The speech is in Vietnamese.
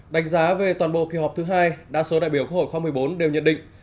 đánh giá về toàn bộ kỳ họp thứ hai đa số đại biểu quốc hội khóa một mươi bốn đều nhận định